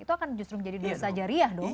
itu akan justru menjadi dosa jariah dong